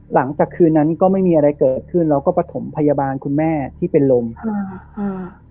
หลังจากคืนนั้นก็ไม่มีอะไรเกิดขึ้นเราก็ประถมพยาบาลคุณแม่ที่เป็นลมอ่าอ่า